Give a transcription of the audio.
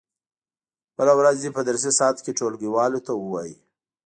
بله ورځ دې په درسي ساعت کې ټولګیوالو ته و وایي.